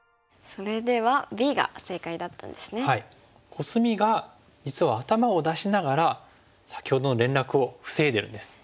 コスミが実は頭を出しながら先ほどの連絡を防いでるんです。